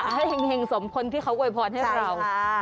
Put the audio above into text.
ให้เห็งสมคนที่เขาอวยพรให้เรา